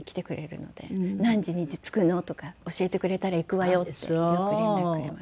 「何時に着くの？」とか「教えてくれたら行くわよ」ってよく連絡くれます。